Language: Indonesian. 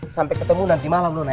sampai ketemu nanti malam nona ya